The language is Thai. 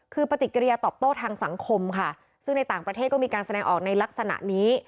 คือปฏิกิริยาตอบโต้ทางสังคมค่ะซึ่งในต่างประเทศก็มีการแสดงออกในลักษณะนี้